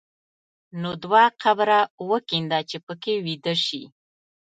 نو دوه قبره وکینده چې په کې ویده شې.